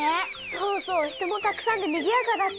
そうそう人もたくさんでにぎやかだった。